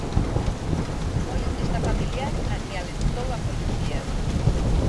Foi esta familiar a que alertou a policía.